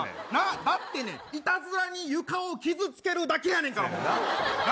だってね、いたずらに床を傷つけるだけやねんから、もうな。な？